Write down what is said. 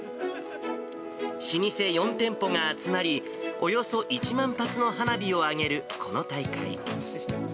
老舗４店舗が集まり、およそ１万発の花火を上げるこの大会。